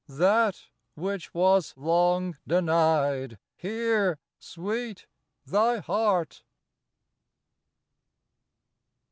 That which was long denied Here, Sweet, thy heart.